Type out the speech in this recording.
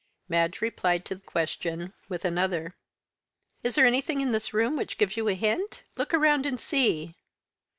Madge replied to the question with another. "Is there anything in this room which gives you a hint? Look around and see."